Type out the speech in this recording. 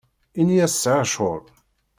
Ini-as sɛiɣ ccɣel.